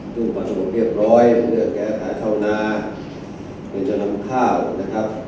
ซึ่งประสบความเรียบร้อยมีเรื่องแก้ค้าเช่านาเหมือนจะนำข้าวนะครับ